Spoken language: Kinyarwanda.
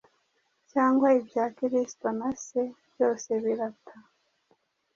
cyangwa ibya Kristo na Se, byose birata,